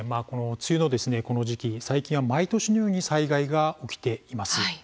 梅雨のこの時期、最近では毎年のように災害が起きています。